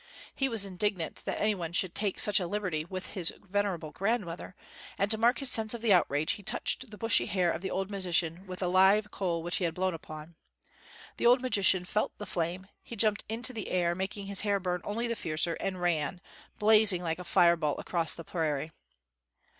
He was indignant that any one should take such a liberty with his venerable grandmother, and to mark his sense of the outrage, he touched the bushy hair of the old magician with a live coal which he had blown upon. The old magician felt the flame; he jumped out into the air, making his hair burn only the fiercer, and ran, blazing like a fire ball, across the prairie.